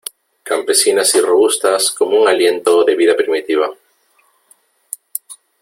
campesinas y robustas como un aliento de vida primitiva .